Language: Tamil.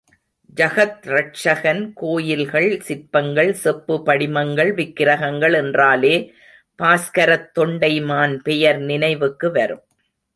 ஜகத்ரட்சகன் கோயில்கள், சிற்பங்கள், செப்பு படிமங்கள், விக்ரகங்கள் என்றாலே பாஸ்கரத் தொண்டைமான் பெயர் நினைவுக்கு வரும்.